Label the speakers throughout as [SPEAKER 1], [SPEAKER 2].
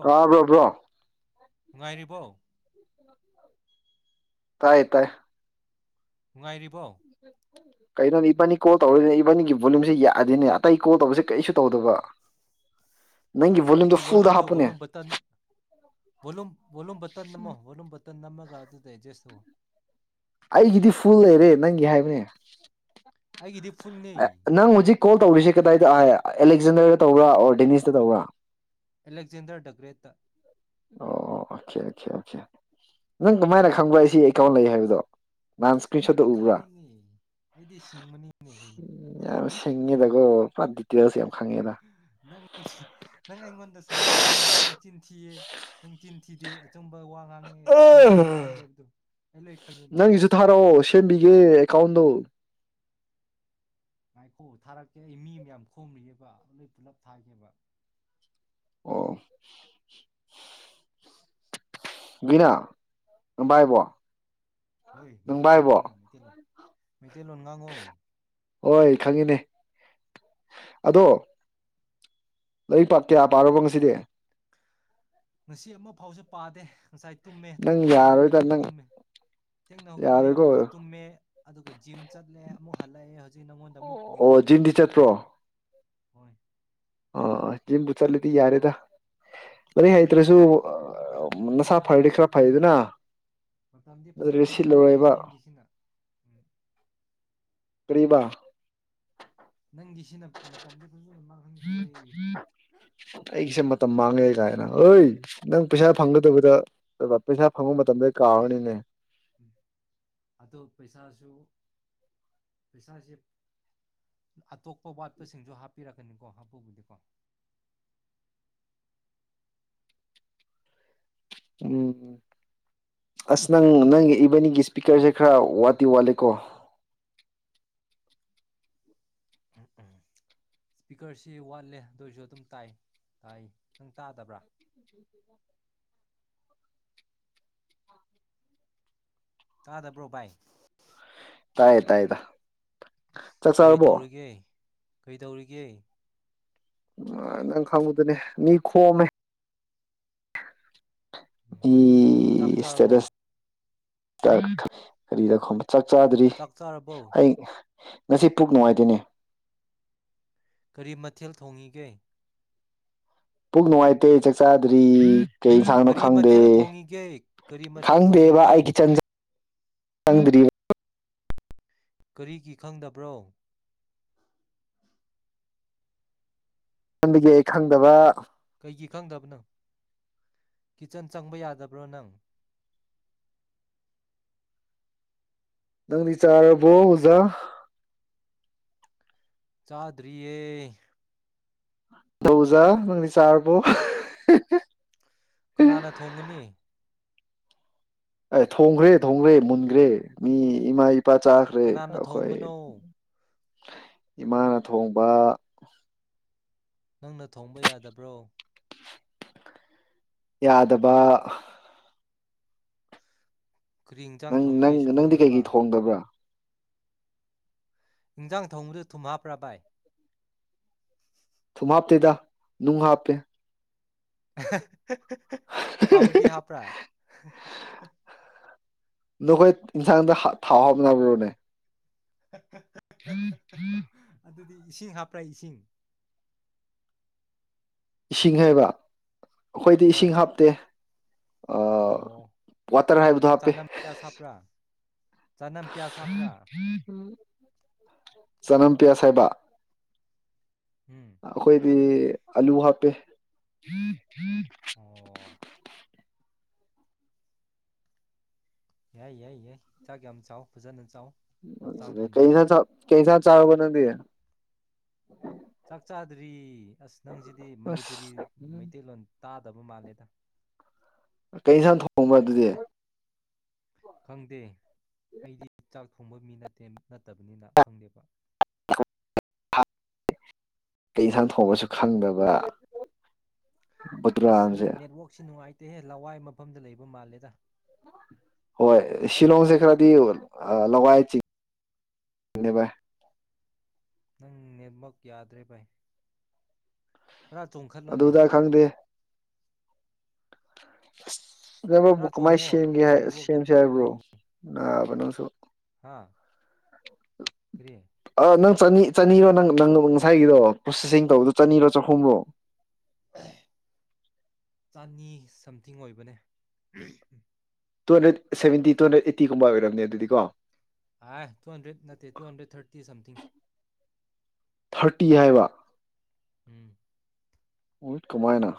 [SPEAKER 1] ꯇꯥꯕꯔꯥ ꯕ꯭ꯔꯣ
[SPEAKER 2] ꯉꯥꯏꯔꯤꯕꯣ
[SPEAKER 1] ꯇꯥꯏ ꯇꯥꯏ
[SPEAKER 2] ꯅꯨꯡꯉꯥꯏꯔꯤꯕꯣ
[SPEAKER 1] ꯀꯩꯅꯣꯅꯦ ꯏꯕꯥꯅꯤ ꯀꯣꯜ ꯇꯧꯔꯅꯦ ꯏꯕꯥꯅꯤꯒꯤ ꯚꯣꯂꯨꯝꯁꯦ ꯌꯥꯗꯤꯅꯦ ꯑꯇꯩ ꯀꯣꯜ ꯇꯧꯕꯁꯦ ꯀꯔꯤꯁꯨ ꯇꯧꯗꯕ ꯚꯣꯂꯨꯝꯗꯣ
[SPEAKER 2] ꯅꯪꯒꯤ
[SPEAKER 1] ꯐꯨꯜꯗ
[SPEAKER 2] ꯕꯣꯂꯨꯝꯗꯨ
[SPEAKER 1] ꯍꯥꯞꯄꯨꯅꯦ
[SPEAKER 2] volume button volume volume button ꯅꯝꯃꯣ ꯕꯣꯂꯨꯝ ꯕꯇꯟ ꯅꯝꯃꯒ ꯑꯗꯨꯗ ꯑꯦꯖꯁꯇꯧ
[SPEAKER 1] ꯑꯩꯒꯤꯗꯤ ꯐꯨꯜ ꯂꯩꯔꯦ ꯅꯪꯒꯤ ꯍꯥꯏꯕꯅꯦ
[SPEAKER 2] ꯑꯩꯒꯤꯗꯤ ꯐꯨꯜꯅꯤ
[SPEAKER 1] ꯅꯪ ꯍꯧꯖꯤꯛ ꯀꯣꯜ ꯇꯧꯔꯤꯁꯦ ꯀꯗꯥꯏꯗ ꯑꯦꯂꯦꯛꯖꯦꯟꯗꯔꯗ ꯇꯧꯕ꯭ꯔꯥ ꯑꯣꯔ ꯗꯦꯅꯤꯁꯇ ꯇꯧꯕ꯭ꯔꯥ
[SPEAKER 2] ꯑꯂꯦꯛꯖꯦꯟꯗꯔ ꯗꯒ꯭ꯔꯦꯠꯇ
[SPEAKER 1] ꯑꯣ ꯑꯣ ꯑꯣꯀꯦ ꯑꯣꯀꯦ ꯑꯣꯀꯦ ꯅꯪ ꯀꯃꯥꯏꯅ ꯈꯪꯕ ꯑꯩ ꯁꯤ ꯑꯩꯀꯥꯎꯟ ꯂꯩ ꯍꯥꯏꯕꯗꯣ ꯅꯍꯥꯟ ꯏꯁꯀ꯭ꯔꯤꯟ ꯁꯣꯠꯇ
[SPEAKER 2] ꯑꯩꯗꯤ
[SPEAKER 1] ꯎꯕ꯭ꯔꯥ
[SPEAKER 2] ꯈꯪꯉꯤꯅꯦ ꯑꯩꯗꯤ ꯁꯤꯡꯕꯅꯤꯅꯦ ꯀꯩꯅꯣ
[SPEAKER 1] ꯌꯥꯝ ꯁꯤꯡꯉꯦꯗꯀꯣ ꯄꯨꯔꯥ ꯗꯤꯇꯦꯜꯁ ꯌꯥꯝ ꯈꯪꯉꯦꯗ
[SPEAKER 2] ꯅ ꯅꯪ ꯑꯩꯉꯣꯟꯗ ꯁꯅꯥꯒꯅꯨꯅꯦ ꯅꯪ ꯊꯤ ꯆꯤꯟꯊꯤꯗꯦ ꯑꯆꯨꯝꯕ ꯋꯥ ꯉꯥꯡꯉꯦ ꯑꯆꯨꯝꯕ ꯋꯥ ꯉꯥꯡꯗꯦꯕꯗ ꯑꯩ ꯂꯣꯏ ꯈꯪꯉꯤꯅꯤ ꯚꯥꯏ
[SPEAKER 1] ꯅꯪꯒꯤꯁꯨ ꯊꯥꯔꯛꯑꯣ ꯁꯦꯝꯕꯤꯒꯦ ꯑꯦꯀꯥꯎꯟꯗ ꫭ
[SPEAKER 2] ꯃꯥꯏꯈꯣ ꯊꯥꯔꯛꯀꯦ ꯑꯩ ꯃꯤ ꯃꯌꯥꯝ ꯈꯣꯝꯂꯤꯑꯕ ꯂꯣꯏ ꯄꯨꯂꯞ ꯊꯥꯒꯦꯕ
[SPEAKER 1] ꯑꯣ ꯒꯤꯅꯥ ꯅꯕꯥꯏꯕꫭ
[SPEAKER 2] ꯍꯣꯏ ꯃꯤꯇꯤꯜꯂꯣꯟ ꯉꯥꯡꯑꫭ ꯃꯤꯇꯜꯂꫭꯟ꯫ ꯃꯩꯇꯩꯂꫭꯟ ꯉꯥꯡꯑꫭ꯫
[SPEAKER 1] ꯍꯣꯏ ꯈꯪꯉꯤꯅꯦ ꯑꯗꯣ ꯂꯥꯏꯔꯤꯛ ꯄꯥꯛ ꯀꯌꯥ ꯄꯥꯔꯕꫭ ꯉꯁꯤꯗꯤ꯫
[SPEAKER 2] ꯉꯁꯤ ꯑꯃꯐꯥꯎꯁꯨ ꯄꯥꯗꯦ꯫ ꯉꯁꯥꯏ ꯇꯨꯝꯃꯦ
[SPEAKER 1] ꯅꯪ
[SPEAKER 2] ꯊꯦꯡꯅ ꯍꯧꯒꯠꯂꯦ
[SPEAKER 1] ꯌꯥꯔꯣꯏꯗ
[SPEAKER 2] ꯑꯃꯨꯛꯇ
[SPEAKER 1] ꯅꯪ
[SPEAKER 2] ꯇꯨꯝꯃꯦ ꯊꯦꯡꯅ ꯍꯧꯒꯠꯂꯦ
[SPEAKER 1] ꯌꯥꯔꯣꯏꯀꯣ
[SPEAKER 2] ꯑꯃꯨꯛꯀ ꯇꯨꯝꯃꯦ ꯑꯗꯨꯒ ꯖꯤꯝ ꯆꯠꯂꯦ꯫ ꯑꯃꯨꯛ ꯍꯜꯂꯛꯑꯦ ꯍꯧ ꯖꯤ ꯅꯪꯉꯣꯟꯗ ꯑꯃꯨꯛ ꯀꯣꯜ
[SPEAKER 1] ꯑꯣ
[SPEAKER 2] ꯇꯧꯋꯦ
[SPEAKER 1] ꯖꯤꯝꯗꯤ
[SPEAKER 2] ꯑꯗꯨꯅꯤ꯫ ꯍꯣꯏ꯫
[SPEAKER 1] ꯑ ꯖꯤꯝꯕꯨ ꯆꯠꯂꯗꯤ ꯌꯥꯔꯦꯗ꯫ ꯂꯩꯔꯤꯛ
[SPEAKER 2] ꯑꯗꯨ
[SPEAKER 1] ꯍꯩꯇ꯭ꯔꯁꯨ
[SPEAKER 2] ꯚꯥꯏ
[SPEAKER 1] ꯑꯑ ꯅꯁꯥ ꯐꯔꯗꯤ ꯈꯔ ꯐꯥꯏꯗꯅꯥ
[SPEAKER 2] ꯃꯇꯝꯗꯤ ꯐꯖꯅ ꯃꯥꯡꯍꯟꯈ꯭ꯔꯦꯍ ꯅꯤꯡꯒꯤꯁꯤꯅ ꯎꯝ꯫
[SPEAKER 1] ꯀꯔꯤꯕꯥ
[SPEAKER 2] ꯅꯪꯒꯤ ꯁꯤꯅ ꯃꯇꯝꯗꯤ ꯐꯖꯅ ꯃꯥꯡꯍꯟꯈ꯭ꯔꯦ꯫
[SPEAKER 1] ꯥꯒꯥꯏꯅ ꯑꫭꯏ ꯅꯪ ꯄꯩꯁꯥ ꯐꯪꯒꯗꯕꯗ ꯄꯩꯁꯥ ꯐꯪꯕ ꯃꯠ ꯇꯝꯃꯦ ꯀꯥꯥꯎꯅꯤꯅꯦ
[SPEAKER 2] ꯎꯝ ꯑꯗꯣ ꯄꯩꯁꯥꯁꯨ ꯄꯩꯁꯥꯁꯦ ꯑꯇꯣꯞꯄ ꯋꯥꯠꯄꯁꯤꯡꯁꯨ ꯍꯥꯞꯄꯤꯔꯛꯀꯅꯤꯀꯣ ꯍꯥꯞꯄꯨꯕꯨꯗꯤꯀꯣ꯫
[SPEAKER 1] ꯎꯝ ꯑꯁ ꯅꯪ ꯅꯪꯒꯤ ꯏꯕꯥꯅꯤꯒꯤ ꯏꯁꯄꯤꯀꯔꯁꯦ ꯈꯔ ꯋꯥꯠꯇꯤ ꯋꯥꯠꯂꯦꯀꯣ꯫
[SPEAKER 2] ꯎꯝ ꯎꯝ ꯁ꯭ꯄꯤꯀꯔꯁꯤ ꯋꯥꯠꯂꯦ ꯑꯗꯨꯑꯣꯏꯁꯨ ꯑꯗꯨꯝ ꯇꯥꯏ ꯇꯥꯏ ꯅꯪ ꯇꯥꯗꯕ꯭ꯔꯥ꯫ ꯇꯥꯗꯕ꯭ꯔꯣ ꯕꯥꯏ꯫
[SPEAKER 1] ꯇꯥꯏ ꯇꯥꯏꯗ꯫
[SPEAKER 2] ꯀꯔꯤ ꯇꯧꯔꯤꯒꯦ꯫ ꯀꯩꯗꯧꯔꯤꯒꯦ꯫
[SPEAKER 1] ꯎ ꯅꯪ ꯈꯪꯕꯗꯨꯅꯦ ꯃꯤ ꯈꯣꯝꯃꯦ꯫
[SPEAKER 2] ꯎꯝ
[SPEAKER 1] ꯏ
[SPEAKER 2] ꯆꯥꯛ ꯆꯥꯔꯕꯣ
[SPEAKER 1] ꯁ꯭ꯇꯦꯇꯁ ꯀ ꯀꯔꯤꯗ ꯈꯣꯝ ꯆꯥꯛ ꯆꯥꯗ꯭ꯔꯤ
[SPEAKER 2] ꯆꯥꯛ ꯆꯥꯔꯕꯣ
[SPEAKER 1] ꯑꯩ꯫ ꯉꯁꯤ ꯄꯨꯛ ꯅꯨꯡꯉꯥꯏꯇꯦꯅꯦ꯫
[SPEAKER 2] ꯀꯔꯤ ꯃꯊꯦꯜ ꯊꯣꯡꯏꯒꯦ꯫
[SPEAKER 1] ꯄꯨꯛ ꯅꯨꯡꯉꯥꯏꯇꯦ ꯆꯥꯛ ꯆꯥꯗ꯭ꯔꯤ꯫ ꯀꯩ ꯏꯟꯁꯥꯡꯅꯣ
[SPEAKER 2] ꯀꯔꯤ
[SPEAKER 1] ꯈꯪꯗꯦ
[SPEAKER 2] ꯃꯊꯦꯜ ꯊꯣꯡꯉꯤꯒꯦ ꯀꯔꯤ ꯃꯊꯦꯜ
[SPEAKER 1] ꯈꯪꯗꯦꯕꯥ
[SPEAKER 2] ꯊꯣꯡꯉꯤꯒꯦ
[SPEAKER 1] ꯑꯩ ꯀꯤꯆꯟ ꯆꯪꯗ꯭ꯔꯤ
[SPEAKER 2] ꯀꯔꯤꯒꯤ ꯈꯪꯗꯕ꯭ꯔꯣ꯫
[SPEAKER 1] ꯗꯒꯤ ꯑꯩ ꯈꯪꯗꯕꯥ
[SPEAKER 2] ꯀꯩꯒꯤ ꯈꯪꯗꯕꯅꯣ ꯀꯤꯠꯆꯟ ꯆꯪꯕ ꯌꯥꯗꯕ꯭ꯔꯣ ꯅꯪ꯫
[SPEAKER 1] ꯅꯪꯗꯤ ꯆꯥꯔꯕꯣ ꯑꯣꯖꯥ
[SPEAKER 2] ꯆꯥꯗꯔꯤꯌꯦ
[SPEAKER 1] ꯇꯧꯖꯥ ꯅꯪꯗꯤ ꯆꯥꯔꯕꯣ
[SPEAKER 2] ꯀꯅꯥꯅ ꯊꯣꯡꯉꯅꯤ
[SPEAKER 1] ꯑꯦ ꯊꯣꯡꯈ꯭ꯔꯦ ꯊꯣꯡꯈ꯭ꯔꯦ ꯃꯨꯟꯈ꯭ꯔꯦ ꯃꯤ ꯏꯃꯥ ꯏ ꯄꯥ ꯆꯥꯈ꯭ꯔꯦ
[SPEAKER 2] ꯀꯅꯥꯅ
[SPEAKER 1] ꯑꯩꯈꯣꯏ
[SPEAKER 2] ꯊꯣꯡꯕꯅꯣ
[SPEAKER 1] ꯏꯃꯥꯅ ꯊꯣꯡꯕ
[SPEAKER 2] ꯅꯪꯅ ꯊꯣꯡꯕ ꯌꯥꯗꯕ꯭ꯔꯣ
[SPEAKER 1] ꯌꯥꯗꯕ
[SPEAKER 2] ꯀꯔꯤ ꯏꯟꯖꯥꯡ
[SPEAKER 1] ꯅꯪ
[SPEAKER 2] ꯊꯣꯡꯉꯦ
[SPEAKER 1] ꯅꯪ
[SPEAKER 2] ꯑꯩꯁꯨ
[SPEAKER 1] ꯅꯪꯗꯤ
[SPEAKER 2] ꯈꯪꯗꯕ
[SPEAKER 1] ꯀꯩꯀꯩ ꯊꯣꯡꯗꯕ꯭ꯔꯥ
[SPEAKER 2] ꯏꯟꯖꯥꯡ ꯊꯣꯡꯗꯨ ꯊꯨꯝ ꯍꯥꯞꯄ꯭ꯔꯥ ꯕꯥꯏ
[SPEAKER 1] ꯊꯨꯝ ꯍꯥꯞꯇꯗ ꯅꯨꯡ ꯍꯥꯞꯄꯦ
[SPEAKER 2] [unintelligible] ꯊꯥꯎꯗꯤ ꯍꯥꯄ꯭ꯔꯥ
[SPEAKER 1] ꯅꯈꯣꯏ ꯏꯟꯁꯥꯡꯗ ꯊꯥꯎ ꯍꯥꯞꯅ ꯕꯔꯣꯅꯦ
[SPEAKER 2] [unintelligible] ꯑꯗꯨꯗꯤ
[SPEAKER 1] [unintelligible]
[SPEAKER 2] ꯏꯁꯤꯡ ꯍꯥꯞꯄ꯭ꯔ ꯏꯁꯤꯡ
[SPEAKER 1] ꯏꯁꯤꯡ ꯍꯥꯏꯕ ꯑꯩꯈꯣꯏꯗꯤ
[SPEAKER 2] ꯍꯣꯏ
[SPEAKER 1] ꯏꯁꯤꯡ ꯍꯥꯞꯇꯦ
[SPEAKER 2] ꯑꯣ
[SPEAKER 1] ꯋꯥꯇꯔ ꯍꯥꯏꯕꯗꯣ
[SPEAKER 2] ꯑꯗꯨꯗꯤ
[SPEAKER 1] ꯍꯥꯞꯄꯦ꯫
[SPEAKER 2] ꯆꯅꯝ ꯄꯤꯌꯥꯁ ꯍꯥꯞꯄ꯭ꯔꯥ ꯆꯅꯝ ꯄꯤꯌꯥꯁ ꯍꯥꯞꯄ꯭ꯔꯥ
[SPEAKER 1] [unintelligible] ꯆꯅꯝꯄꯤꯌꯥꯁ ꯍꯥꯏꯕ
[SPEAKER 2] ꯎꯝ
[SPEAKER 1] ꯑꯈꯣꯏ ꯄꯦ ꯑꯜꯂꯨ ꯍꯥꯄꯦ꯫
[SPEAKER 2] [inaudible] ꯌꯥꯏ ꯌꯥꯏ ꯌꯥꯏ ꯆꯥꯛ ꯌꯥꯝ ꯆꯥꯎ ꯐꯖꯅ ꯆꯥꯎ꯫ ꯍꯛꯆꯥꯡ
[SPEAKER 1] ꯀꯩ
[SPEAKER 2] ꯐꯅꯕ
[SPEAKER 1] ꯀꯩ ꯏꯟꯁꯪ ꯆꯔꯥꯕꯣ ꯅꯥꯡꯗꯤ꯫
[SPEAKER 2] ꯆꯥꯛ ꯆꯥꯗ꯭ꯔꯤ ꯑꯁ ꯅꯪꯁꯤꯗꯤ ꯃꯅꯤꯄꯨꯔꯤ
[SPEAKER 1] ꯑꯁ ꯎꯝ
[SPEAKER 2] ꯃꯩꯇꯩꯂꯣꯟ ꯇꯥꯗꯕ ꯃꯥꯜꯂꯦꯗ꯫
[SPEAKER 1] [unintelligible]
[SPEAKER 2] ꯈꯪꯗꯦ ꯑꯩꯗꯤ ꯆꯥꯛ ꯊꯣꯡꯕ ꯃꯤ ꯅꯠꯇꯦ ꯅꯠꯇꯕꯅꯤꯅ ꯈꯪꯗꯦꯕ꯫
[SPEAKER 1] ꯀꯩ ꯌꯦꯟꯁꯥꯡ ꯊꯣꯡꯉꯁꯨ ꯈꯪꯗꯕ꯫
[SPEAKER 2] ꯑꯁ ꯅꯪ
[SPEAKER 1] ꯕꯨꯗꯨꯔꯥꯝꯁꯦ
[SPEAKER 2] ꯅꯦꯠꯋꯔꯥꯛꯛꯁꯤ ꯅꯨꯡꯉꯥꯏꯇꯦ ꯇꯦꯍꯦ ꯂꯋꯥꯏ ꯃꯐꯝꯗ ꯂꯩꯕ ꯃꯥꯜꯂꯦꯗ꯫
[SPEAKER 1] ꯍꯣꯏ ꯁꯤꯂꯣꯡꯁꯦ ꯈꯔꯗꯤ ꯂꯧꯋꯥꯏ ꯆꯤꯡ [unintelligible]
[SPEAKER 2] ꯅꯪ ꯅꯦꯠꯋꯥꯛ ꯌꯥꯗ꯭ꯔꯦ ꯚꯥꯏ ꯈꯔ ꯆꯣꯡꯈꯠꯂꯣꯅꯦ
[SPEAKER 1] ꯑꯗꯨꯗ ꯈꯪꯗꯦ
[SPEAKER 2] ꯈꯔ
[SPEAKER 1] [inaudible] ꯀꯃꯥꯏꯅ
[SPEAKER 2] ꯆꯣꯡꯉꯣ
[SPEAKER 1] ꯁꯦꯝꯒꯦ
[SPEAKER 2] ꯑꯗꯨꯗꯤ ꯅꯦꯠꯋꯥꯛꯇꯣ
[SPEAKER 1] ꯁꯦꯝꯁꯦ ꯍꯥꯏꯕ꯭ꯔꯣ
[SPEAKER 2] ꯐꯥꯔꯛꯀꯅꯤ
[SPEAKER 1] ꯅꯥꯕꯅꯣ ꯁꯣ
[SPEAKER 2] ꯍꯥꯥ
[SPEAKER 1] ꯑ ꯅꯪ ꯆꯅꯤ ꯆꯅꯤꯔꯣ ꯅꯪ ꯅꯪꯉꯁꯥꯏꯒꯤꯗꯣ ꯄ꯭ꯔꯣꯁꯦꯁꯤꯡ ꯇꯧꯕꯗꯣ ꯆꯅꯤꯔꯣ ꯆꯍꯨꯝꯔꯣ
[SPEAKER 2] ꯑꯍꯑ ꯆꯅꯤ ꯁꯝꯊꯤꯡ ꯑꯣꯏꯕꯅꯦ ꯑꯍꯝꯝ
[SPEAKER 1] two hundred seventy two hundred ꯑꯩꯠꯇꯤꯒꯨꯝꯕ ꯑꯣꯏꯔꯝꯅꯤ ꯑꯗꯨꯗꯤ ꯀꯣ
[SPEAKER 2] ꯑꯥꯏ ꯇꯨ ꯍꯟꯗ꯭ꯔꯦꯠ ꯅꯠꯇꯦ two hundred thirty something
[SPEAKER 1] thirty ꯍꯥꯏꯕ
[SPEAKER 2] ꯎꯝ
[SPEAKER 1] ꯋꯤꯠ ꯀꯃꯥꯏꯅ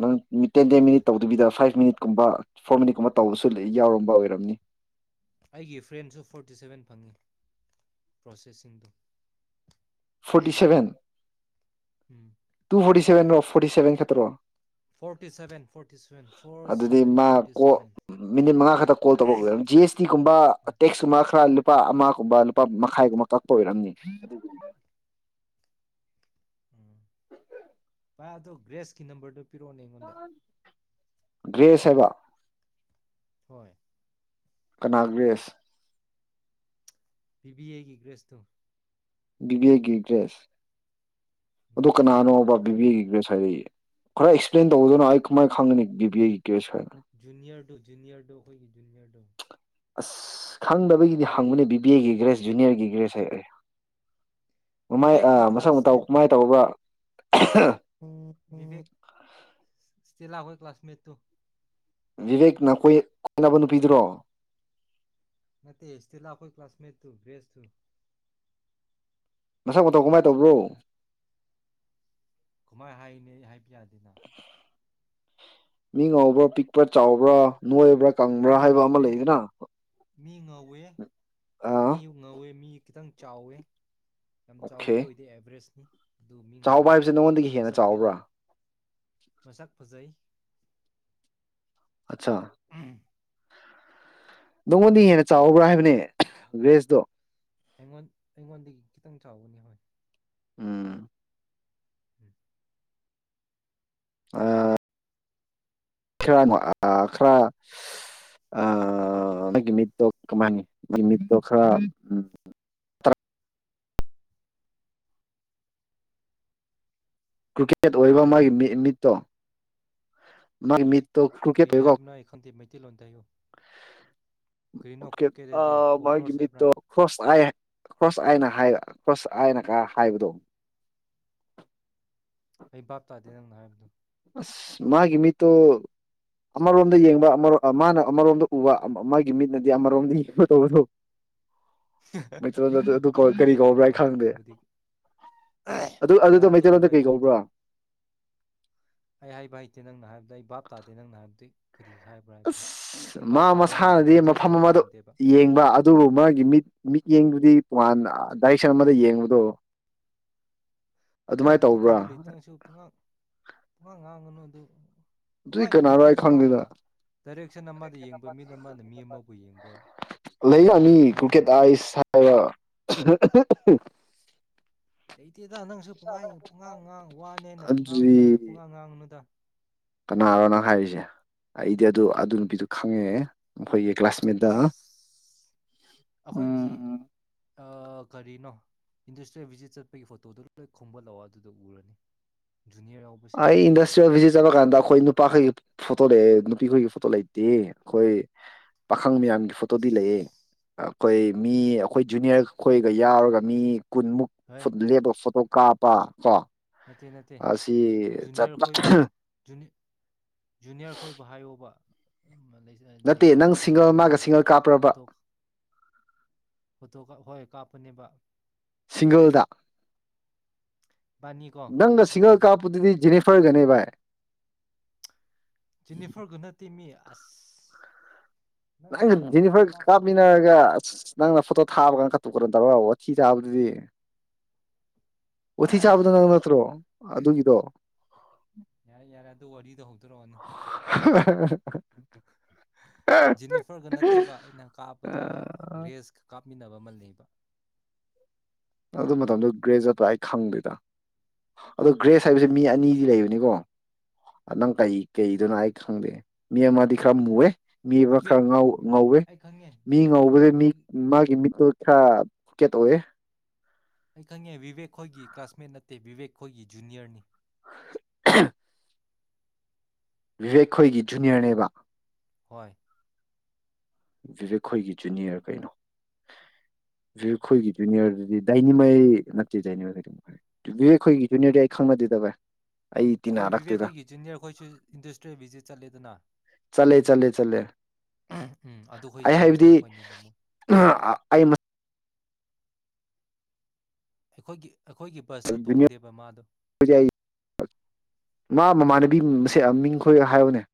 [SPEAKER 1] ꯅꯪ ꯇꯦꯟ ꯇꯦꯟ ꯃꯤꯅꯤꯠ ꯇꯧꯗꯕꯤꯗ ꯐꯥꯏꯞ ꯃꯤꯅꯤꯠ ꯀꯨꯝꯕ ꯐꯣꯔ ꯃꯤꯅꯤꯠ ꯀꯨꯝꯕ ꯇꯧꯕꯁꯨ ꯌꯥꯎꯔꯝꯕ ꯑꯣꯏꯔꯝꯅꯤ
[SPEAKER 2] ꯑꯩꯒꯤ ꯐ꯭ꯔꯦꯟꯁꯨ ꯐꯣꯔꯇꯤ ꯁꯚꯦꯟ ꯐꯪꯉꯤ ꯄ꯭ꯔꯣꯁꯦꯁꯤꯤꯡꯗꯨ
[SPEAKER 1] ꯐꯣꯔꯇꯤ ꯁꯚꯦꯟ
[SPEAKER 2] ꯎꯝ
[SPEAKER 1] ꯇꯨ ꯐꯣꯔꯇꯤ ꯁꯚꯦꯟ ꯔꯐ ꯐꯣꯔꯤꯦꯚꯦꯟ ꯈꯠꯇ꯭ꯔꯣ
[SPEAKER 2] forty seven forty seven four
[SPEAKER 1] ꯑꯗꯨꯗꯤ
[SPEAKER 2] ꯁꯚꯦꯟ
[SPEAKER 1] ꯃꯥ
[SPEAKER 2] ꯐꯣꯔꯇꯤ
[SPEAKER 1] ꯀꯣ
[SPEAKER 2] ꯁꯚꯦꯟ
[SPEAKER 1] ꯃꯤꯅꯤꯠ ꯃꯉꯥ ꯈꯛꯇ ꯀꯣꯜ ꯇꯧꯔꯛꯑꯣ ꯖꯤ ꯑꯦꯁ ꯇꯤꯒꯨꯝꯕ
[SPEAKER 2] ꯎꯝ
[SPEAKER 1] ꯇꯦꯛꯁꯀꯨꯝꯕ ꯈꯔ ꯂꯨꯄꯥ ꯑꯃꯒꯨꯝꯕ ꯂꯨꯄꯥ ꯃꯈꯥꯏꯒꯨꯝꯕ ꯀꯛꯄ ꯑꯣꯏꯔꯝꯅꯤ
[SPEAKER 2] ꯎꯝ ꯋꯥ ꯑꯗꯨ ꯒꯔꯦꯁꯀꯤ ꯅꯝꯕꯔ ꯗꯣ
[SPEAKER 1] ꯭ꯒꯔꯦꯁ ꯍꯥꯏꯕꯥ
[SPEAKER 2] ꯍꯣꯏ
[SPEAKER 1] ꯀꯅꯥ ꯒ꯭ꯔꯦꯁ
[SPEAKER 2] ꯕꯤ ꯕꯤ ꯑꯦꯒꯤ ꯒ꯭ꯔꯦꯁꯇꯣ
[SPEAKER 1] ꯕꯤꯕꯦꯒꯤ ꯒ꯭ꯔꯦꯁ
[SPEAKER 2] ꯎꯝ
[SPEAKER 1] ꯑꯗꯨ ꯀꯅꯥꯅꯣꯕ ꯕꯤ ꯕꯤ ꯑꯦꯒꯤ ꯒ꯭ꯔꯦꯁ ꯍꯥꯏꯗꯤ ꯈꯔ ꯑꯦꯛꯁꯄ꯭ꯂꯦꯟ ꯇꯧꯗꯅ ꯑꯩ ꯀꯃꯥꯏꯅ ꯈꯪꯒꯅꯤ ꯕꯤ ꯕꯤꯤꯒꯤ ꯒ꯭ꯔꯦꯁ ꯍꯥꯏ
[SPEAKER 2] ꯖꯨꯅꯤꯔꯗꯣ ꯖꯨꯅꯤꯔꯗꯣ ꯍꯣꯏꯒꯤ ꯖꯨꯅꯤꯔꯗꯣ
[SPEAKER 1] ꯑꯁ ꯈꯪꯗꯕꯒꯤꯗꯤ ꯍꯪꯕꯅꯤ ꯕꯤ ꯕꯤ ꯑꯦꯒꯤ ꯒ꯭ꯔꯦꯖ ꯖꯨꯅꯤꯌꯔꯒꯤ ꯒ꯭ꯔꯦꯖ ꯍꯥꯏꯔꯔꯦ ꯃꯃꯥꯏ
[SPEAKER 2] ꯚꯤꯕꯦꯛ
[SPEAKER 1] ꯑꯥ ꯃꯁꯛ ꯃꯇꯧ ꯀꯃꯥꯏ ꯇꯧꯕ꯭ꯔꯥ
[SPEAKER 2] ꯕꯤꯕꯦꯛ ꯆꯦꯂꯥꯛꯈꯣꯏ ꯀ ꯀ꯭ꯂꯥꯁꯃꯦꯠ ꯇꯣ
[SPEAKER 1] ꯚꯕꯦꯛꯅ ꯀꯣꯏ ꯀꯣꯢꯅꯕ ꯅꯨꯄꯤꯗꯨ꯭ꯔꯣ
[SPEAKER 2] ꯅꯠꯇꯦ ꯏꯁꯇꯤꯂꯥ ꯈꯣꯏ ꯀ꯭ꯂꯁꯃꯦꯠꯇꯨ ꯊ ꯦꯁ ꯊ
[SPEAKER 1] ꯃꯁꯛ ꯃꯇꯧ ꯀꯃꯥꯏ ꯇꯧꯕ꯭ꯔꯣ
[SPEAKER 2] ꯀꯃꯥꯏ ꯍꯥꯏꯅꯤ ꯍꯥꯏꯕ ꯌꯥꯗꯦ
[SPEAKER 1] [unintelligible] ꯃꯤ ꯉꯧꯕ꯭ꯔꯥ ꯄꯤꯛꯄ꯭ꯔꯥ ꯆꯥꯎꯕ꯭ꯔꯥ ꯅꯣꯏꯕꯥ ꯀꯪꯕ꯭ꯔꯥ
[SPEAKER 2] ꯃꯤ
[SPEAKER 1] ꯍꯥꯏꯕ ꯑꯃ
[SPEAKER 2] ꯉꯧꯋꯦ
[SPEAKER 1] ꯂꯩꯗꯅ
[SPEAKER 2] ꯃꯤ ꯉꯧꯋꯦ ꯃꯤ
[SPEAKER 1] ꯑꯥ
[SPEAKER 2] ꯉꯧꯋꯦ ꯃꯤ ꯈꯤꯇꯪ ꯆꯥꯎꯋꯦ ꯌꯥꯝ
[SPEAKER 1] ꯑꯣꯀꯦ
[SPEAKER 2] ꯆꯥꯎꯕꯗꯤ ꯑꯣꯏꯗꯦ ꯑꯦꯚꯔꯦꯁꯅꯤ ꯑꯗꯨ ꯃꯤ
[SPEAKER 1] ꯆꯥꯎꯕ
[SPEAKER 2] ꯉꯧꯋꯦ
[SPEAKER 1] ꯍꯥꯏꯕꯁꯤ ꯅꯪꯉꯣꯟꯗꯒꯤ ꯍꯦꯟꯅ
[SPEAKER 2] ꯃꯁꯛꯇꯤ
[SPEAKER 1] ꯆꯥꯎꯕ꯭ꯔꯥ
[SPEAKER 2] ꯃꯁꯛ ꯐꯖꯩ
[SPEAKER 1] ꯑꯆꯥ ꯅꯪꯉꯣꯟꯗꯤ ꯍꯦꯟꯅ ꯆꯥꯎꯕ꯭ꯔꯥ ꯍꯥꯏꯕꯅꯦ ꯒ꯭ꯔꯦꯁꯇꯣ
[SPEAKER 2] ꯑꯩꯉꯣꯟ ꯑꯩꯉꯣꯟꯗꯒꯤ ꯈꯤꯇꯪ ꯆꯥꯎꯕꯅꯤ ꯍꯣꯏ
[SPEAKER 1] ꯎꯝ
[SPEAKER 2] ꯎꯝ
[SPEAKER 1] ꯑ ꯈꯔ ꯈꯔ ꯑ ꯅꯪꯒꯤ ꯃꯤꯠꯇꯣ ꯀꯃꯥꯏꯅꯤ ꯅꯒꯤ ꯃꯤꯠꯇꯣ ꯈꯔ ꯎꯝ ꯀꯀꯤꯦ [unintelligible] ꯏꯁꯦꯠ ꯑꯣꯏꯕ
[SPEAKER 2] ꯀꯔꯤ
[SPEAKER 1] ꯃꯥꯒꯤ ꯃꯤ ꯃꯤꯠꯇꯣ ꯃ ꯃꯤꯠ
[SPEAKER 2] ꯀꯔꯤ ꯍꯥꯏꯕꯅꯣ ꯑꯩ ꯈꯪꯗꯦ ꯃꯩꯇꯩꯂꯣꯟꯇ ꯍꯥꯏꯌꯨ ꯀꯔꯤꯅꯣ ꯀ꯭ꯔꯨꯀꯦꯠ ꯍꯥꯏꯗꯤ
[SPEAKER 1] ꯑꯣ ꯑ ꯃꯣꯏꯒꯤ
[SPEAKER 2] ꯀꯣꯀ꯭ꯔꯣꯁ ꯍꯥꯏꯕ꯭ꯔꯥ
[SPEAKER 1] ꯃꯤꯠꯇꯣ ꯈ꯭ꯔꯣꯁ ꯑꯥꯏ ꯈ꯭ꯔꯣꯁ ꯑꯥꯏꯅ ꯍꯥꯏꯕ ꯈꯁ ꯍꯥꯏꯅ ꯀꯥ ꯍꯥꯏꯕꯗꯣ
[SPEAKER 2] ꯑꯩ ꯚꯥꯞ ꯇꯥꯗꯦ ꯅꯪꯅ ꯍꯥꯏꯕꯗꯣ
[SPEAKER 1] ꯑꯁ ꯃꯥꯒꯤ ꯃꯤꯠꯇꯣ ꯑꯃꯔꯣꯝꯗ ꯌꯦꯡꯕ ꯑꯃꯔ ꯃꯥꯅ ꯑꯃꯔꯣꯝꯗ ꯎꯕꯥ ꯃꯥꯒꯤ ꯃꯤꯠꯅꯗꯤ ꯑꯃꯔꯣꯝꯗꯥ ꯌꯦꯡꯕ ꯇꯧꯕꯗꯨ ꯀꯔꯤ
[SPEAKER 2] ꯑꯗꯨꯒꯨꯝꯕꯁꯨ
[SPEAKER 1] ꯀꯧꯕ꯭ꯔꯥ
[SPEAKER 2] ꯂꯩꯕ꯭ꯔꯣ
[SPEAKER 1] ꯑꯩ ꯈꯪꯗꯦ
[SPEAKER 2] ꯑꯗꯨꯒꯨꯝꯕꯗꯤ
[SPEAKER 1] ꯑꯗꯨ ꯑꯗꯨꯗꯣ
[SPEAKER 2] ꯑꯗꯨꯒꯨꯝꯕ
[SPEAKER 1] ꯃꯩꯇꯩꯂꯣꯟꯗ
[SPEAKER 2] ꯑꯩ
[SPEAKER 1] ꯀꯔꯤ
[SPEAKER 2] ꯈꯪꯗꯦ
[SPEAKER 1] ꯀꯧꯕ꯭ꯔꯥ
[SPEAKER 2] ꯑꯩ ꯍꯥꯏꯕ ꯍꯩꯇꯦ ꯅꯪꯅ ꯍꯥꯏꯕꯗꯗꯤ ꯑꯩ ꯕꯥꯥꯞ ꯇꯥꯗꯦ ꯅꯪꯅ ꯍꯥꯏꯕꯗꯤ ꯀꯔꯤ ꯍꯥꯏꯕ꯭ꯔꯥ ꯍꯥꯏꯕꯗꯣ
[SPEAKER 1] ꯑꯁ
[SPEAKER 2] ꯑꯩ
[SPEAKER 1] ꯃꯥ
[SPEAKER 2] ꯚꯥꯞ ꯇꯥꯕ ꯉꯝꯗꯦ
[SPEAKER 1] ꯃꯁꯥꯅꯗꯤ
[SPEAKER 2] ꯗꯥꯏꯖꯦꯁ
[SPEAKER 1] ꯃꯐꯝ
[SPEAKER 2] ꯇꯧꯕ
[SPEAKER 1] ꯑꯃꯗꯣ
[SPEAKER 2] ꯉꯝꯗꯦꯕ
[SPEAKER 1] ꯌꯦꯡꯕ ꯑꯗꯨꯕꯨ ꯃꯥꯒꯤ ꯃꯤꯠ ꯃꯤꯠꯌꯦꯡꯗꯨꯗꯤ ꯇꯣꯉꯥꯟ ꯗꯥꯏꯔꯦꯛꯁꯟ ꯑꯃꯗ ꯌꯦꯡꯕꯗꯣ
[SPEAKER 2] ꯑꯦ
[SPEAKER 1] ꯑꯗꯨꯃꯥꯏꯅ ꯇꯧꯕ꯭ꯔꯥ
[SPEAKER 2] ꯑꯗꯨꯒꯨꯝꯕ ꯂꯩꯇ ꯅꯪꯁꯨ ꯄꯨꯡꯉꯥꯡ ꯄꯨꯡꯉꯥꯡ ꯉꯥꯡꯉꯅꯨ [unintelligible] ꯎꯝ [unintelligible]
[SPEAKER 1] ꯑꯗꯨꯗꯤ
[SPEAKER 2] ꯀꯃꯥꯏꯅ
[SPEAKER 1] ꯀꯅꯥꯔꯣ ꯑꯩ
[SPEAKER 2] ꯃꯤꯅ ꯃꯥꯅ
[SPEAKER 1] ꯈꯪꯗꯦꯗ
[SPEAKER 2] ꯗꯥꯏꯔꯦꯛꯁꯟ ꯑꯃꯗ ꯌꯦꯡꯕ ꯃꯤꯅ ꯃꯥꯅ ꯃꯤ ꯑꯃꯥꯎꯧꯕ ꯌꯦꯡꯕ ꯀꯔꯤ ꯋꯥꯉꯥꯡ
[SPEAKER 1] ꯂꯩꯔꯅꯤ
[SPEAKER 2] ꯁꯉꯥꯡꯅꯣ
[SPEAKER 1] ꯀ꯭ꯔꯤꯀꯦꯠ
[SPEAKER 2] [unintelligible]
[SPEAKER 1] ꯑꯥꯏꯁ ꯍꯥꯏꯕ [unintelligible]
[SPEAKER 2] ꯂꯩꯇꯦꯗ ꯅꯪꯁꯨ ꯄꯨꯡꯉꯥꯏ ꯄꯨꯡꯉꯥꯡ ꯉꯥꯡ ꯋꯥꯅꯦꯅ ꯉꯥꯡꯕ ꯌꯥꯏꯅ ꯄꯨꯡꯉꯥꯡ ꯉꯥꯡꯅꯨꯗ
[SPEAKER 1] ꯀꯅꯥꯔꯣꯅ ꯍꯥꯏꯔꯤꯁꯦ ꯑꯩꯗꯤ ꯑꯗꯨ ꯑꯗꯨ ꯅꯨꯄꯤꯗꯨ ꯈꯪꯉꯦꯑꯦ ꯅꯣꯏꯒꯤ ꯀ꯭ꯂꯥꯁꯃꯦꯠꯗ
[SPEAKER 2] ꯑꯁ
[SPEAKER 1] ꯎꯝ
[SPEAKER 2] ꯑꯩꯈꯣꯏꯒꯤ
[SPEAKER 1] ꯎꯝ
[SPEAKER 2] ꯀꯔꯤꯅꯣ ꯏꯟꯗꯁꯇ꯭ꯔꯤꯌꯦꯜ ꯚꯤꯖꯤꯠ ꯆꯠꯄꯒꯤ ꯐꯣꯇꯣꯗꯨ ꯂꯣꯏ ꯈꯣꯕꯠ ꯂꯥꯛꯑꯣ ꯑꯗꯨꯗ ꯎꯔꯅꯤ ꯖꯨꯅꯤꯌꯔ ꯌꯥꯎꯕꯁꯤꯡ
[SPEAKER 1] ꯑꯩ ꯏꯟꯗꯁꯇ꯭ꯔꯤꯌꯦꯜ
[SPEAKER 2] ꯃꯌꯥꯝꯒꯤꯗꯣ
[SPEAKER 1] ꯚꯤꯖꯤꯠ ꯆꯠꯂꯀꯥꯟꯗ ꯑꯩꯈꯣꯏ ꯅꯨꯄꯥꯈꯩ ꯐꯣꯇꯣ ꯂꯩ ꯅꯨꯄꯤꯈꯣꯏꯒꯤ ꯐꯣꯇꯣ ꯂꯩꯇꯦ ꯑꯩꯈꯣꯏ ꯑꯈꯪ ꯃꯌꯥꯝꯒꯤ ꯐꯣꯇꯣꯗꯤ ꯂꯩꯑꯦ
[SPEAKER 2] ꯑꯁ
[SPEAKER 1] ꯑꯩꯈꯣꯏ ꯃꯤ ꯑꯩꯈꯣꯏ ꯖꯨꯅꯤꯌꯔ ꯈꯈꯣꯏꯒ ꯌꯥꯎꯔꯒ ꯃꯤ ꯀꯨꯟꯃꯨꯛ
[SPEAKER 2] ꯍꯣꯏ
[SPEAKER 1] ꯂꯦꯞꯄ ꯐꯣꯇꯣ ꯀꯥ ꯄꯥ ꯀ
[SPEAKER 2] ꯅꯠꯇꯦ ꯅꯠꯇꯦ ꯖꯨꯅꯤꯌꯔ ꯈꯣꯏ ꯖꯨꯅꯤꯌꯔ ꯈꯣꯏꯕꯨ ꯍꯥꯏꯌꯣꯕ
[SPEAKER 1] ꯅꯠꯇꯦ ꯅꯪ ꯁꯤꯡꯒꯜ
[SPEAKER 2] ꯂꯩꯁꯥꯕꯤꯁꯤꯡꯗꯨꯕꯨ
[SPEAKER 1] ꯃꯥꯒ
[SPEAKER 2] ꯅꯣꯏ
[SPEAKER 1] ꯁꯤꯡꯒꯜ ꯀꯥꯞꯄ꯭ꯔꯕ
[SPEAKER 2] ꯐꯣꯇꯣ ꯐꯣꯇꯣ ꯀꯥꯞ ꯍꯣꯏ ꯀꯥꯞ꯫ [unintelligible]
[SPEAKER 1] ꯁꯤꯡꯒꯜꯗ꯫
[SPEAKER 2] ꯕꯥꯅꯤꯀꯣ
[SPEAKER 1] ꯅꯪ ꯁꯤꯡꯒꯜ
[SPEAKER 2] ꯀꯥꯞꯃꯤꯟꯅꯩꯌꯦꯕ
[SPEAKER 1] ꯀꯥꯄꯗꯗꯤ [unintelligible] ꯐꯣꯏꯒꯅꯦꯚꯥꯏ꯫
[SPEAKER 2] ꯖꯤꯅꯤꯐꫪꯒ ꯅꯠꯇꯦꯃꯤ꯫ ꯑꯁ꯫ ꯅꯪ
[SPEAKER 1] ꯅꯪꯅ
[SPEAKER 2] ꯖꯦꯅꯤꯐꯔꯒ
[SPEAKER 1] ꯖꯤꯅꯤꯐꫪꯒ
[SPEAKER 2] ꯀꯥꯞꯄꯗꯨꯗꯤ
[SPEAKER 1] ꯀꯥꯞꯃꯤꯟꯅꯔꯒ ꯅꯪꯅ ꯐꯣꯇꯣ꯫ ꯊꯥꯕ ꯀꯥꯟ ꯀꯥꯇꯨ ꯀꯥꯔꯟ ꯇꯧꯔꯒ ꯇꯥꯕꯗꯨꯗꯤ꯫ ꯋꯥꯊꯤ ꯆꯥꯕꯗꯣ ꯅꯪ ꯅꯠꯇ꯭ꯔꯣ ꯑꯗꯨꯒꯤꯗꯣ꯫
[SPEAKER 2] ꯌꯥꯔꯦ ꯌꯥꯔꯦ ꯑꯗꯨ ꯋꯥꯔꯤꯗꫭ ꯍꯧꯗꯣꯔꯛꯑꯅꯨ ꯖꯤꯅꯤꯐꯔꯒ ꯅꯠꯇꯦꯕ ꯑꯩꯅ ꯀꯥꯞꯄꯗꯣ ꯒ꯭ꯔꯦꯁꯀ ꯀꯥꯞꯃꯤꯟꯅꯕꯃ [unintelligible] [unintelligible]
[SPEAKER 1] ꯑꯗꯨ ꯃꯇꯝꯗꯨꯣ ꯒ꯭ꯔꯦꯖꯇ ꯄꯨꯔꯥ ꯑꯩ ꯈꯪꯗꯦꯏꯗ꯫ ꯑꯗꯣ ꯒ꯭ꯔꯦꯁ ꯍꯥꯏꯕꯁꯦ
[SPEAKER 2] ꯑꯁ
[SPEAKER 1] ꯃꯤ
[SPEAKER 2] ꯑꯗꯨꯗꯤ
[SPEAKER 1] ꯑꯅꯤꯗꯤ ꯂꯩꯕꯅꯤꯀꯣ꯫ ꯅꯪ ꯀꯩ ꯀꯩ ꯏꯗꯨꯅꫭ ꯑꯩ ꯈꯪꯗꯦ ꯃꯤ ꯑꯃꯗꯤ ꯈꯔ ꯃꯨꯑꯦ꯫ ꯃꯤ ꯑꯃ ꯈꯔ
[SPEAKER 2] ꯚꯤꯕꯦꯛ
[SPEAKER 1] ꯉꯧꯋꯦ
[SPEAKER 2] ꯑꯩ ꯈꯪꯉꯦ
[SPEAKER 1] ꯃꯤ ꯉꯧꯕꯁ
[SPEAKER 2] ꯚꯤꯕꯦꯛ
[SPEAKER 1] ꯃꯤ
[SPEAKER 2] ꯈꯣꯏ
[SPEAKER 1] ꯃꯥꯒꯤ ꯃꯤꯠꯇꫭ꯫ ꯈ [unintelligible] ꯇꯣꯌꯦ꯫
[SPEAKER 2] ꯑꯩ ꯈꯪꯉꯦ ꯕꯤꯕꯦꯛ ꯈꯣꯏꯒꯤ ꯀ꯭ꯂꯥꯁꯃꯦꯠ ꯅꯠꯇꯦ ꯕꯤꯕꯦꯛ ꯈꯣꯏꯒꯤ ꯖꯨꯅꯤꯌꫪꯅꯤ꯫
[SPEAKER 1] [unintelligible] ꯕꯤꯕꯦꯛ ꯈꯣꯏꯒꯤ ꯖꯨꯅꯤꯌꫪꯅꯦꯕ꯫
[SPEAKER 2] ꯍꯣꯏ꯫
[SPEAKER 1] ꯚꯕꯤꯕꯦꯛꯈꯣꯏꯒꯤ ꯖꯨꯅꯤꯌꯔ ꯀꯩꯅꯣ ꯕꯤꯕꯦꯛꯈꯣꯏꯒꯤ ꯖꯨꯅꯤꯌꫪ ꯀꯩꯅꫭ ꯕꯤꯕꯦꯛꯈꯣꯏꯒꯤ ꯖꯨꯅꯤꯌꫪꯗꯨꯗꯤ ꯗꯥꯏꯅꯤꯃꯩ ꯅꯠꯇꯦ [unintelligible] ꯕꯤꯕꯦꯛꯈꯣꯏꯒꯤ ꯖꯨꯅꯤꯌꫪꯗꯨꯗꯤ ꯑꯩ ꯈꯪꯅꯗꯦꯗ ꯚꯥꯏ꯫ ꯑꯩ
[SPEAKER 2] ꯑꯩꯈꯣꯏ ꯕꯤꯕꯦꯛ
[SPEAKER 1] ꯇꯤꯟꯅꯔꯛꯇꯦꯗ
[SPEAKER 2] ꯈꯣꯏꯒꯤ ꯖꯨꯅꯤꯌꫪ ꯈꯣꯏꯁꯨ ꯏꯟꯗꯁꯇ꯭ꯔꯤꯌꯦꯜ ꯚꯤꯖꯤꯠ ꯆꯠꯂꯦꯗꯅ꯫
[SPEAKER 1] ꯆꯠꯂꯦ ꯆꯠꯂꯦ ꯆꯠꯂꯦ
[SPEAKER 2] ꯎꯝ ꯑꯗꯨꯈꯣꯏ
[SPEAKER 1] ꯑꯩ ꯍꯥꯏꯕꯗꯤ
[SPEAKER 2] ꯁꯤꯃꯤꯁꯇꯔ ꯈꯣꯏꯅꯦꯕ ꯃꯣꯏ
[SPEAKER 1] [unintelligible] ꯑꯩ꯫
[SPEAKER 2] ꯑꯩꯈꯣꯏꯒꯤ꯫ ꯑꯈꯣꯏꯒꯤ ꯕꯁꯇ ꯇꯣꯡꯗꯦꯕ ꯃꯥꯗꯣ꯫
[SPEAKER 1] ꯖꯨꯅꯤꯌꯔ ꯑꯩ ꯃꯥ ꯃꯃꯥꯟꯅꯕꯤ ꯃꯁꯦ ꯃꯤꯡꯈꯣꯏ ꯍꯥꯏꯣꯅꯦ꯫